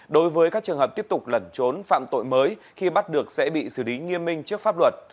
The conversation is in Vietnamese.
đối với các trường hợp tiếp tục lẩn trốn phạm tội mới khi bắt được sẽ bị xử lý nghiêm minh trước pháp luật